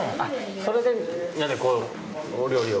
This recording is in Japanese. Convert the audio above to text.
それでみんなでこうお料理を？